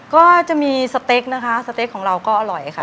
ก็จะมีสเต็กนะคะสเต็กของเราก็อร่อยค่ะ